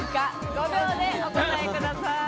５秒でお答えください。